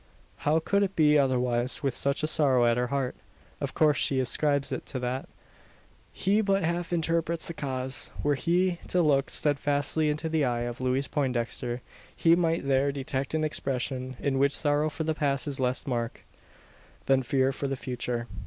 How could it be otherwise, with such a sorrow at her heart? Of course he ascribes it to that. He but half interprets the cause. Were he to look steadfastly into the eye of Louise Poindexter, he might there detect an expression, in which sorrow for the past is less marked, than fear for the future.